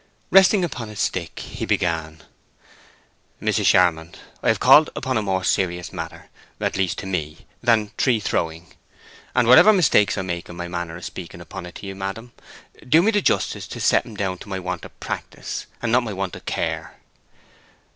Resting upon his stick, he began: "Mrs. Charmond, I have called upon a more serious matter—at least to me—than tree throwing. And whatever mistakes I make in my manner of speaking upon it to you, madam, do me the justice to set 'em down to my want of practice, and not to my want of care."